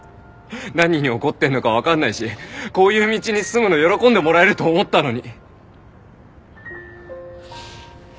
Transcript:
何に怒ってんのか分かんないしこういう道に進むの喜んでもらえると思ったのに。